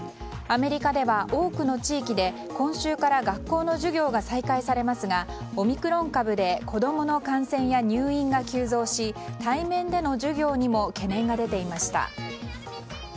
アメリカでは多くの地域で今週から学校の授業が再開されますがオミクロン株で子供の感染や入院が急増し対面での授業にも懸念が出ていました。